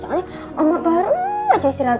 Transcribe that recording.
soalnya oma baru aja istirahat